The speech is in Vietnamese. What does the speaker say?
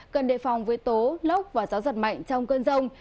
cần đề phòng với tố lốc và gió giật mạnh trong cơn rông